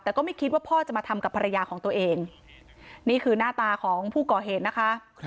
แต่ก็ไม่คิดว่าพ่อจะมาทำกับภรรยาของตัวเองนี่คือหน้าตาของผู้ก่อเหตุนะคะ